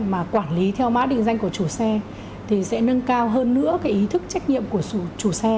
mà quản lý theo mã định danh của chủ xe thì sẽ nâng cao hơn nữa cái ý thức trách nhiệm của chủ xe